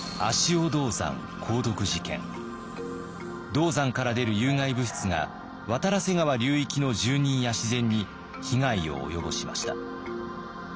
銅山から出る有害物質が渡良瀬川流域の住人や自然に被害を及ぼしました。